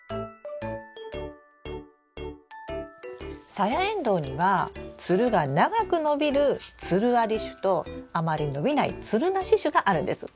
サヤエンドウにはつるが長く伸びるつるあり種とあまり伸びないつるなし種があるんです。